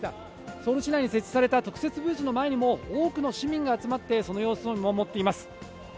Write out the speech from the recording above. ソウル市内に設置された特設ブースの前にも多くの市民が集まってその様子を見守っています。